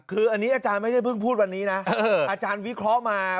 คืออันนี้อาจารย์ไม่ได้เพิ่งพูดวันนี้นะอาจารย์วิเคราะห์มา